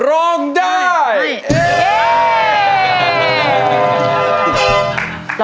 โดยเชียร์มวยไทยรัฐมาแล้ว